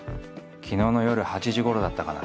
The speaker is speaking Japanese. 昨日の夜８時ごろだったかな。